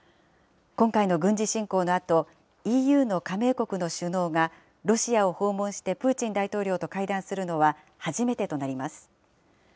今回の軍事侵攻のあと、ＥＵの加盟国の首脳が、ロシアを訪問してプーチン大統領と会談するのは初めてとなります。